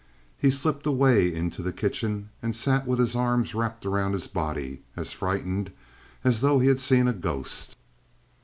He slipped away into the kitchen and sat with his arms wrapped around his body, as frightened as though he had seen a ghost.